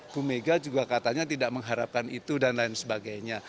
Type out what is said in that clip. bumega juga katanya tidak mengharapkan itu dan lain sebagainya